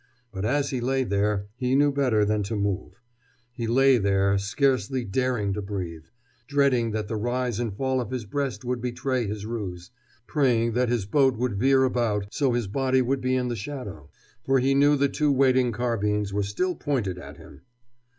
But as he lay there he knew better than to move. He lay there, scarcely daring to breathe, dreading that the rise and fall of his breast would betray his ruse, praying that his boat would veer about so his body would be in the shadow. For he knew the two waiting carbines were still pointed at him.